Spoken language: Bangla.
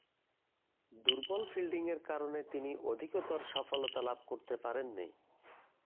দূর্বল ফিল্ডিংয়ের কারণে তিনি অধিকতর সফলতা লাভ করতে পারেননি।